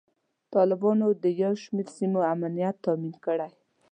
طالبانو د یو شمیر سیمو امنیت تامین کړی.